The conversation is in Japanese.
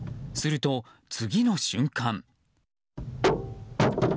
すると、次の瞬間。